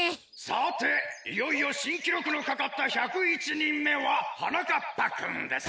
さていよいよしんきろくのかかった１０１にんめははなかっぱくんです。